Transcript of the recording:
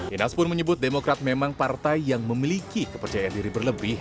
inas pun menyebut demokrat memang partai yang memiliki kepercayaan diri berlebih